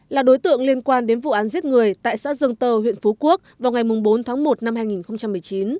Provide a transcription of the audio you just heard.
là đối tượng liên quan đến vụ án giết người tại xã dương tơ huyện phú quốc vào ngày bốn tháng một năm hai nghìn một mươi chín